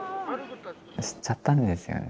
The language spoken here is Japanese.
知っちゃったんですよね